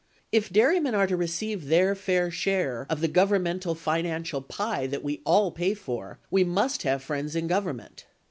If dairymen are to receive their fair share of the governmental financial pie that we all pay for, we must have friends in Government.